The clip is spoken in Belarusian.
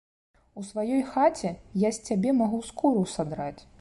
У сваёй хаце я з цябе магу скуру садраць.